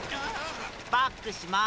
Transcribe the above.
バックします。